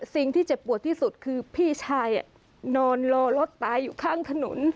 เจ็บปวดที่สุดคือพี่ชายนอนรอรถตายอยู่ข้างถนน